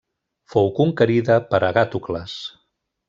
Fou conquerida per Agàtocles.